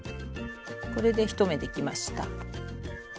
これで１目できました。